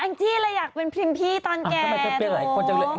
อ้าวอังจี้เลยอยากเป็นพิมพี่ตอนแก่โอ้โห